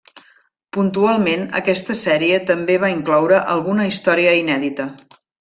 Puntualment aquesta sèrie també va incloure alguna història inèdita.